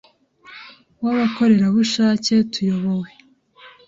w’abakorerabushake tuyobowe